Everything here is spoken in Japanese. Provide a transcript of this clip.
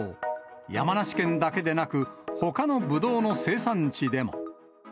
山梨県だけでなく、ほかのぶどうの生産地でも。